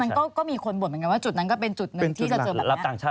ซึ่งตรงนั้นก็มีคนบ่นเหมือนกันว่าจุดนั้นก็เป็นจุดหนึ่งที่จะเจอแบบนี้